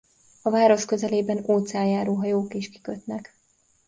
A város közelében óceánjáró hajók is kikötnek.